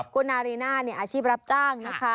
คุณนาฬีนาฎแบบอาชีพรับจ้าง